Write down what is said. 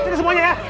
tunggu semuanya ya